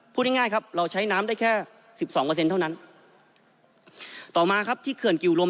พูดง่ายครับเราใช้น้ำได้แค่๑๒เท่านั้นต่อมาครับที่เขื่อนกิวลม